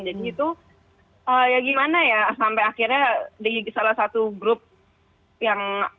jadi itu ya gimana ya sampai akhirnya di salah satu grup yang